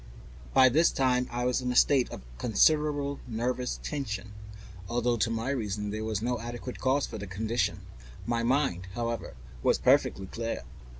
By this time I was in a state of considerable nervous tension, although to my reason there was no adequate cause for my condition. My mind, however, was perfectly clear.